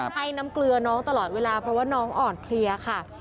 ให้น้ำเกลือน้องตลอดเวลาเพราะว่าน้องอ่อนเพลียค่ะ